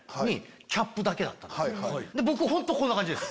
僕本当こんな感じです。